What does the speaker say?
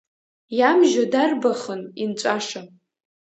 Иамжьо дарбахын, инҵәаша…